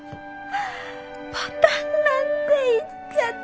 牡丹なんて言っちゃった。